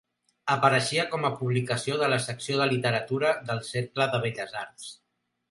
Apareixia com a publicació de la secció de literatura del Cercle de Belles Arts.